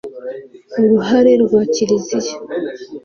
uruhare rwa kiliziya